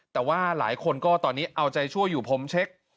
แต่ว่าหลายคนก็ตอนนี้เอาใจช่วยอยู่ผมเช็ค